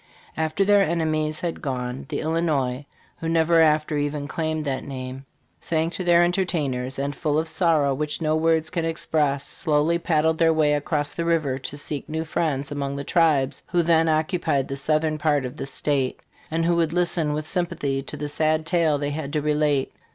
"After their enemies had gone, the Illinois, who never after even claimed that name, thanked their entertainers, and, full of sorrow which no words can express, slowly paddled their way across the river, to seek new friends among the tribes who then occupied the southern part of this state, and who would listen with sympathy to the sad tale they had to relate.